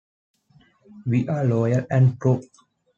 We're loyal and true.